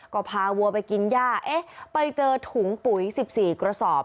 ก็พาวัวไปกินย่าเอ๊ะไปเจอถุงปุ๋ย๑๔กระสอบ